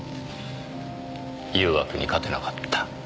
誘惑に勝てなかった。